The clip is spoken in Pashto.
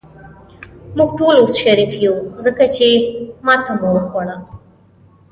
موږ ټول اوس شریف یو، ځکه چې ماته مو وخوړه.